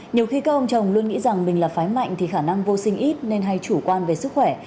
nhiều khi các ông chồng luôn nghĩ rằng mình là phái mạnh thì khả năng vô sinh ít nên hay chủ quan về sức khỏe